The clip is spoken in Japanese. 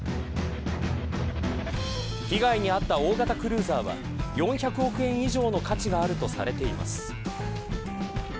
被害に遭った大型クルーザーは４００億円以上の価値があるとされています。